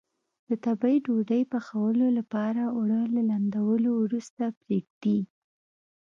د تبۍ ډوډۍ پخولو لپاره اوړه له لندولو وروسته پرېږدي.